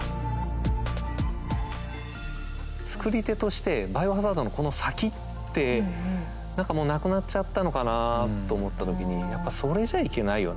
作り手として「バイオハザード」のこの先って何かもうなくなっちゃったのかなあと思った時にやっぱそれじゃいけないよなって。